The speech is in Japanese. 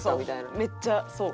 めっちゃそう。